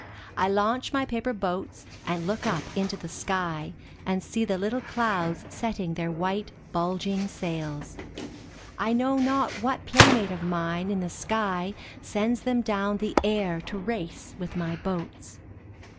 I launch my paper boats and look up into the sky and see the little clouds setting their white bulg ing sails. I know not what playmate of mine in the sky sends them down the air to race with my boats!